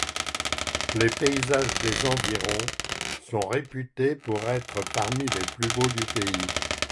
Les paysages des environs sont réputés pour être parmi les plus beaux du pays.